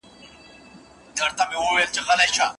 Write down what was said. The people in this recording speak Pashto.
دا کومو ځوانانو ته ډالۍ ده؟